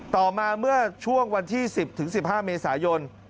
ต่อมาเมื่อช่วงวันที่๑๐๑๕เมษายน